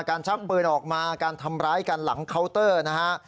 ชักปืนออกมาการทำร้ายกันหลังเคาน์เตอร์นะฮะ